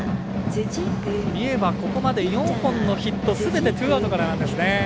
三重はここまで４本のヒットすべてツーアウトからなんですね。